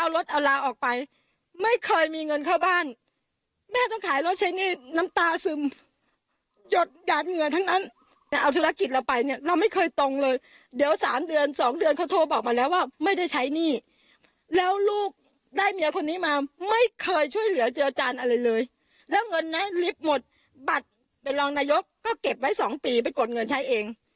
โรงนามรีบหมดบัตรเป็นรองนายกก็เก็บไว้สองปีไปกดเงินใช้เอง